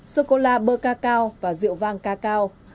sô cô la bơ ca cao và rượu vang ca cao